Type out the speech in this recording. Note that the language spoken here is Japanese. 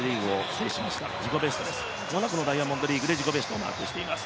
モナコのダイヤモンドリーグで自己ベストをマークしています。